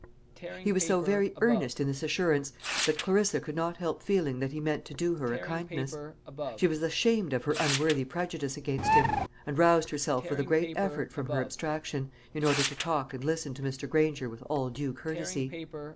He was so very earnest in this assurance, that Clarissa could not help feeling that he meant to do her a kindness. She was ashamed of her unworthy prejudice against him, and roused herself with a great effort from her abstraction, in order to talk and listen to Mr. Granger with all due courtesy.